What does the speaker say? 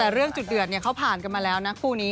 แต่เรื่องจุดเดือดเขาผ่านกันมาแล้วนะคู่นี้